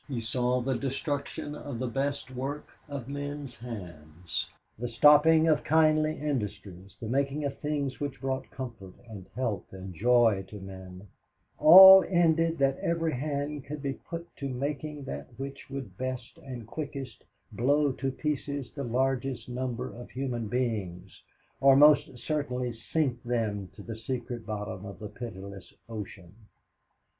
He saw the destruction of the best work of men's hands, the stopping of kindly industries, the making of things which brought comfort and health and joy to men all ended that every hand could be put to making that which would best and quickest blow to pieces the largest number of human beings or most certainly sink them to the secret bottom of the pitiless ocean.